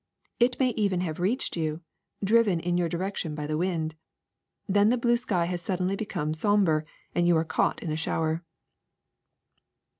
It may even have reached you, driven in your direction by the wind. Then the blue sky has suddenly become somber, and you are caught in a shower.